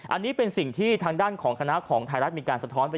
อันนี้เป็นสิ่งที่ทางด้านของคณะของไทยรัฐมีการสะท้อนไป